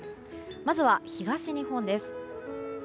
まずは東日本です。